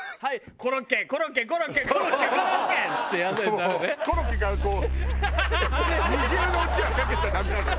コロッケがこう二重のうちはかけちゃダメなのよ。